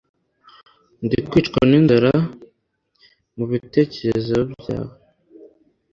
nakwicwa n'inzara, mubitekerezo byawe